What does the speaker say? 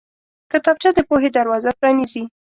کتابچه د پوهې دروازه پرانیزي